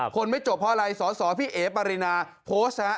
คนไม่จบเพราะอะไรสอสอพี่เอ๋ปรินาโพสต์นะฮะ